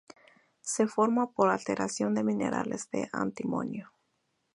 Se forma por alteración de minerales de antimonio.